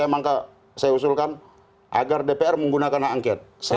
maka saya usulkan agar dpr menggunakan hak angket